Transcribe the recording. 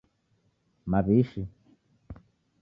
Mawishi